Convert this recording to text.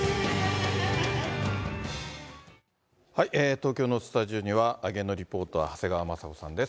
東京のスタジオには芸能リポーター、長谷川まさ子さんです。